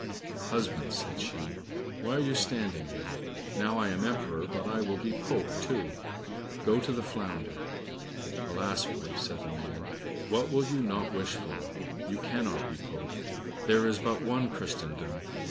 "Husband," said she, "why are you standing there? Now, I am Emperor, but I will be Pope too; go to the Flounder." "Alas, wife," said the man, "what will you not wish for? You cannot be Pope. There is but one in Christendom.